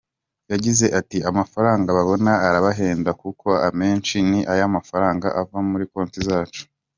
Yagize ati “Amafaranga babona arabahenda kuko amenshi ni ya mafaranga ava muri konti zacu.